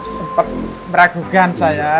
sempat meragukan saya